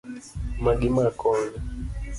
Magi ma koni